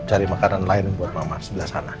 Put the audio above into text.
cari makanan lain buat mama sebelah sana